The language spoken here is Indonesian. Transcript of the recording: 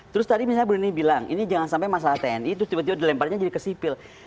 terus tadi misalnya bu nini bilang ini jangan sampai masalah tni terus tiba tiba dilemparnya jadi ke sipil